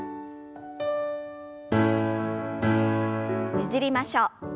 ねじりましょう。